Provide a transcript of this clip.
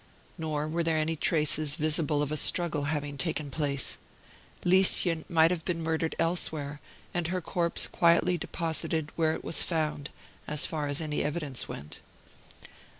Nor were there any traces visible of a struggle having taken place. Lieschen might have been murdered elsewhere, and her corpse quietly deposited where it was found, as far as any evidence went.